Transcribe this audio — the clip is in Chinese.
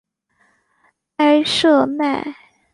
埃舍奈。